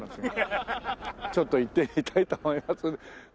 ちょっと行ってみたいと思います。